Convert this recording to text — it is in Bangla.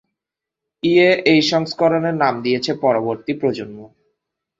ইএ এই সংস্করণের নাম দিয়েছে "পরবর্তী-প্রজন্ম"।